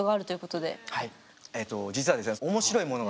えと実はですね